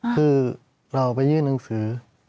คือเราไปยื่นหนังสือตรงนี้